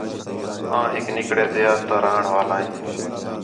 آں ہک نِکڑے دیہات تا رہݨ والا ھیں